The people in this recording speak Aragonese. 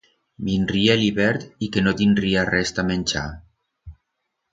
Vinría el hibert y que no tinría res ta menchar.